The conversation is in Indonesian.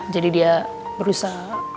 jadi dia berusaha